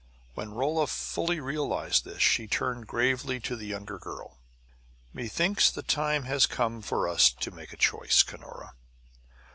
When Rolla fully realized this she turned gravely to the younger girl. "Methinks the time has come for us to make a choice, Cunora.